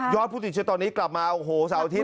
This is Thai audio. ผู้ติดเชื้อตอนนี้กลับมาโอ้โหเสาร์อาทิตย